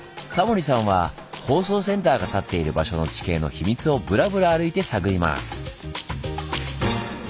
タモリさんは放送センターがたっている場所の地形の秘密をブラブラ歩いて探ります。